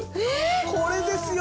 これですよ！